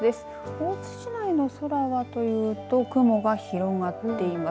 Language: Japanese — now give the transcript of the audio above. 大津市内の空はというと雲が広がっています。